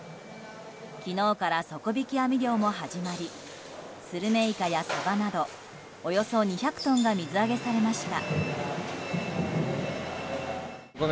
昨日から底引き網漁も始まりスルメイカやサバなどおよそ２００トンが水揚げされました。